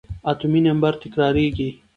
اتومي نمبر تکرارېږي.